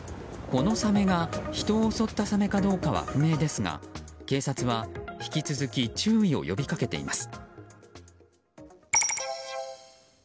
このサメが人を襲ったサメかどうかは不明ですが警察は引き続き注意を呼び掛けています。